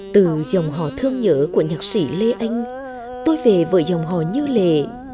từ dòng họ thương nhớ của nhạc sĩ lê anh tôi về với dòng họ như lề